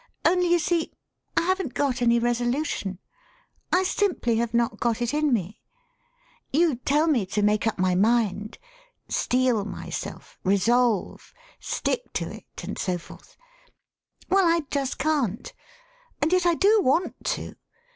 Only, you see, I haven't got any resolution. I simply have not got it in me. You tell me to make up my 1 A DANGEROUS LECTURE 66 mind, steel myself, resolve, stick to it, and so forth. Well, I just can't. And yet I do want to.